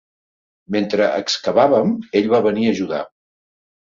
Mentre excavàvem, ell em va venir a ajudar.